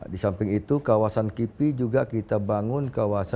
di samping itu kawasan kipi juga kita bangun kawasan